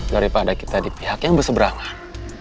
daripada kita di pihak yang berseberangan